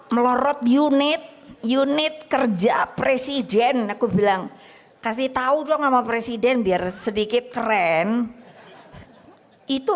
melorot unit unit kerja presiden aku bilang kasih tahu dong sama presiden biar sedikit keren itu